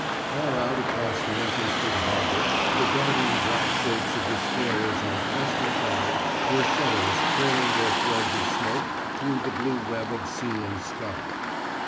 Far out across the entrance to the harbor, the darting black shapes of destroyers on constant guard were shuttles trailing their threads of smoke through the blue web of sea and sky.